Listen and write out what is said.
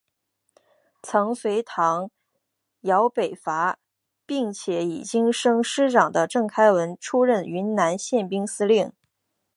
曾随唐继尧北伐并且已经升任师长的郑开文出任云南宪兵司令。